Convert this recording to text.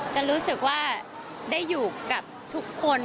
จะรู้สึกว่าได้อยู่กับทุกคน